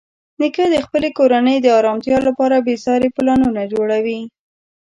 نیکه د خپلې کورنۍ د ارامتیا لپاره بېساري پلانونه جوړوي.